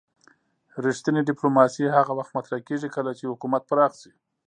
رښتینې ډیپلوماسي هغه وخت مطرح کیږي کله چې حکومت پراخ شي